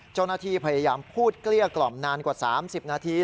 เจ้าหน้าที่พยายามพูดเกลี้ยกล่อมนานกว่า๓๐นาที